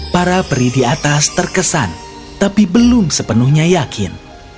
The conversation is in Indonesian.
para peri di atas terkesan tapi belum sepenuhnya yakin